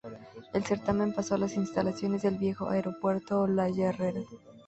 El certamen pasó a las instalaciones del viejo Aeropuerto Olaya Herrera.